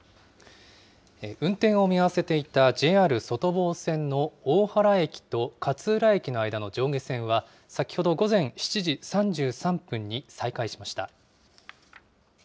運転を見合わせていたＪＲ外房線の大原駅と勝浦駅の間の上下線は、先ほど午前７時３３分に再開しました。